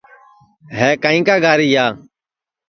ہے کائیں کا گاریا